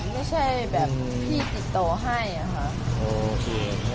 ไม่ใช่แบบพี่ติดต่อให้ค่ะ